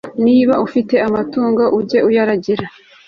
niba ufite amatungo, ujye uyaragira